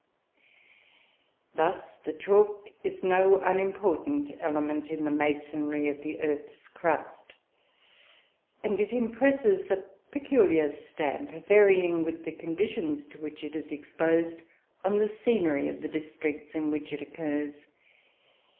Thus the chalk is no unimportant element in the masonry of the earth's crust, and it impresses a peculiar stamp, varying with the conditions to which it is exposed, on the scenery of the districts in which it occurs.